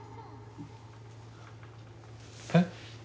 えっ？